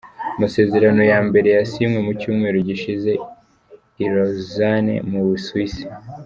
Amasezerano ya mbere yasinywe mu cyumweru gishize i Lausanne mu Busuwisi.